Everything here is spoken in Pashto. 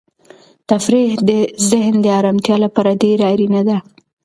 تفریح د ذهن د ارامتیا لپاره ډېره اړینه ده.